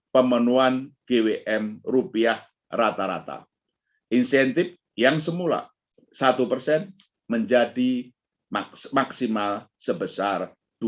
pemenuhan gwm rupiah rata rata insentif yang semula satu persen menjadi maksimal sebesar